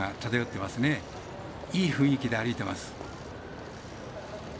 いい雰囲気で歩いてます。